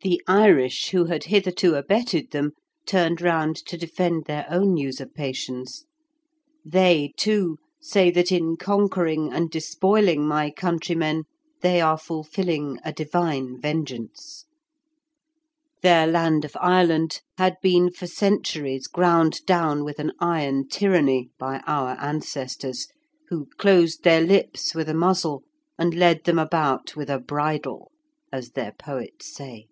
The Irish, who had hitherto abetted them, turned round to defend their own usurpations. They, too, say that in conquering and despoiling my countrymen they are fulfilling a divine vengeance. Their land of Ireland had been for centuries ground down with an iron tyranny by our ancestors, who closed their lips with a muzzle, and led them about with a bridle, as their poets say.